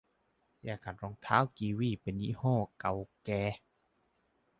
ยาขัดรองเท้ากีวีเป็นยี่ห้อเก่าแก่